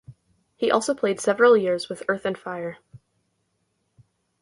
He also played several years with Earth and Fire.